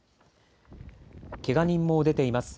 けが人も出ています。